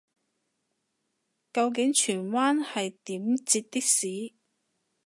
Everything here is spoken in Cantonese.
究竟荃灣係點截的士